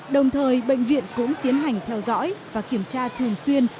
đồng thời bệnh viện cũng tiến hành theo dõi và kiểm tra thường xuyên